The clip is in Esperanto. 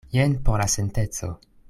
Jen por la senteco.